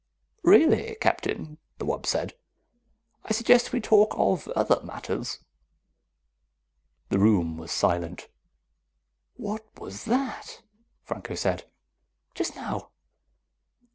"Really, Captain," the wub said. "I suggest we talk of other matters." The room was silent. "What was that?" Franco said. "Just now."